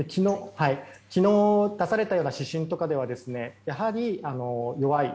昨日、出されたような指針とかではやはり弱い。